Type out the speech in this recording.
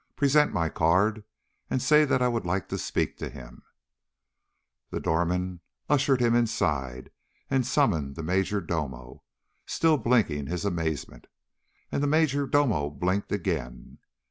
Present my card and say that I would like to speak to him." The doorman ushered him inside and summoned the major domo, still blinking his amazement. And the major domo blinked again.